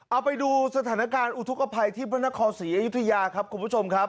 เอาไปดูสถานการณ์อุทธกภัยที่พระนครศรีอยุธยาครับคุณผู้ชมครับ